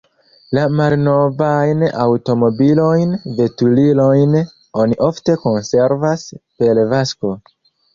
La malnovajn aŭtomobilojn, veturilojn oni ofte konservas per vakso.